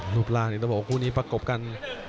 รูปล่านต้องบอกคู่นี้ประกบกัน